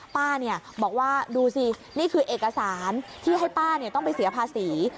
ป้าบอกว่าดูสินี่คือเอกสารที่ให้ป้าต้องไปเสียภาษี